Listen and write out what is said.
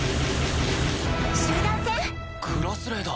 集団戦？グラスレーだ。